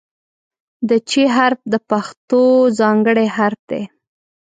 د "چ" حرف د پښتو ځانګړی حرف دی.